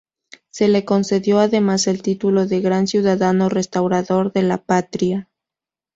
Se le concedió además el título de Gran Ciudadano Restaurador de la Patria.